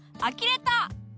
あきれた！